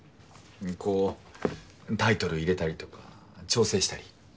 こうタイトル入れたりとか調整したり。